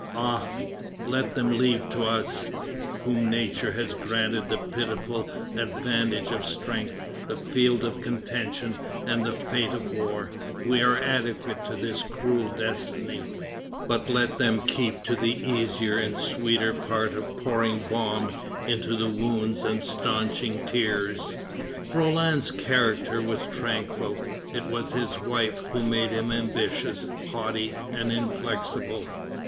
Ah! let them leave to us, whom nature has granted the pitiful advantage of strength, the field of contention and the fate of war; we are adequate to this cruel destiny; but let them keep to the easier and sweeter part of pouring balm into wounds and staunching tears." Roland's character was tranquil; it was his wife who made him ambitious, haughty, and inflexible.